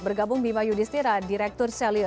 bergabung bima yudhistira direktur selyo